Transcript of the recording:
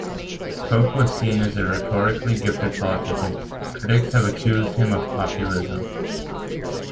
Koch was seen as a rhetorically gifted politician; critics have accused him of populism.